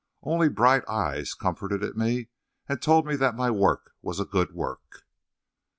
Only high bright eyes comforted me and told me that my work was a good work."